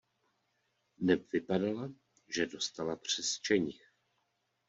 Neb vypadala, že dostala přes čenich.